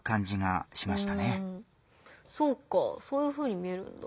そうかそういうふうに見えるんだ。